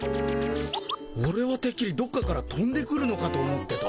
オレはてっきりどっかからとんでくるのかと思ってた。